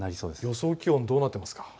予想気温はどうなっていますか。